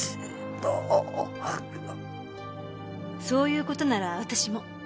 そういう事なら私も。